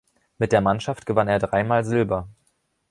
Mit der Mannschaft gewann er dreimal Silber.